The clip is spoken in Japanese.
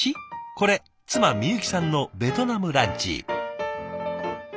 これ妻みゆきさんのベトナムランチ。